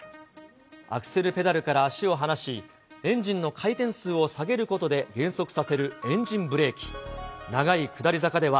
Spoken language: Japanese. アクセルペダルから足を離し、エンジンの回転数を下げることで減速させるエンジンブレーキ。